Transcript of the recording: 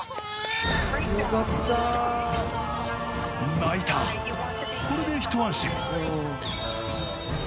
泣いたこれでひと安心！